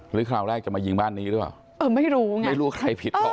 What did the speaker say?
คราวแรกจะมายิงบ้านนี้หรือเปล่าเออไม่รู้ไงไม่รู้ใครผิดพอ